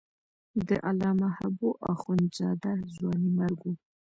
د علامه حبو اخند زاده ځوانیمرګ و.